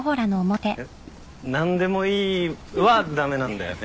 えっ？何でもいいは駄目なんだよね。